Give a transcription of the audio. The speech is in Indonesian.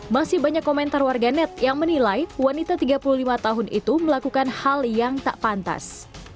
masih banyak komentar warga net yang menilai wanita tiga puluh lima tahun itu melakukan hal yang tak pantas